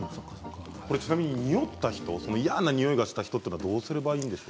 ちなみに、におった人嫌なにおいがした人はどうすればいいんですか？